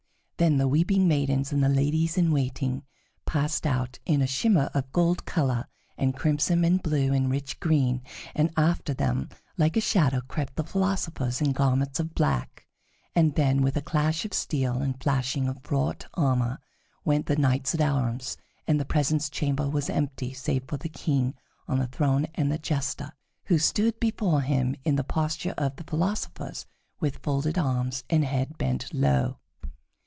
Then the weeping maidens and the ladies in waiting passed out in a shimmer of gold color, and crimson, and blue, and rich green; and after them, like a shadow, crept the philosophers in garments of black; and then, with a clash of steel and flashing of wrought armor, went the knights at arms, and the presence chamber was empty, save for the King on the throne and the Jester, who stood before him in the posture of the philosophers, with folded arms and head bent low.